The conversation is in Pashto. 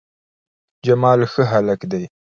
جمال ښه هلک ده